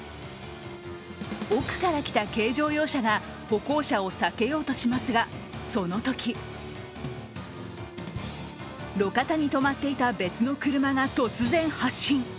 奥から来た軽乗用車が歩行者を避けようとしますが、そのとき路肩に止まっていた別の車が突然、発進。